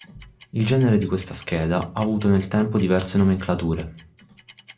Il genere di questa scheda ha avuto nel tempo diverse nomenclature.